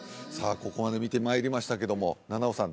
ここまで見てまいりましたけども菜々緒さん